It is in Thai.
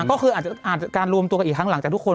ก็คืออาจจะการรวมตัวกันอีกครั้งหลังจากทุกคน